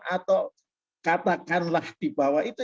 atau katakanlah di bawah itu